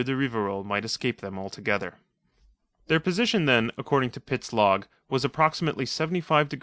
de Rivarol might escape them altogether. Their position then according to Pitt's log was approximately 75 deg.